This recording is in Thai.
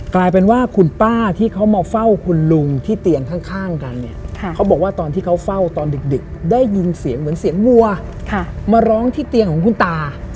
กลายเป็นว่าคุณป้าที่เขามาเฝ้าคุณลุงที่เตียงข้างกันเนี่ยเขาบอกว่าตอนที่เขาเฝ้าตอนดึกได้ยินเสียงเหมือนเสียงวัวมาร้องที่เตียงของคุณตา